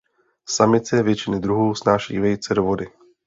Samice většiny druhů snášejí vejce do vody.